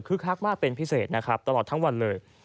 คือคลักมากเป็นพิเศษนะครับตลอดทั้งวันเลย